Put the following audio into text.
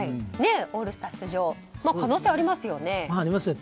オールスター出場の可能性はありますよね。